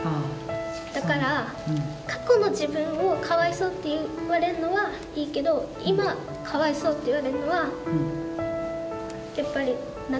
だから過去の自分を「かわいそう」って言われるのはいいけど今「かわいそう」って言われるのはやっぱり納得がいかない。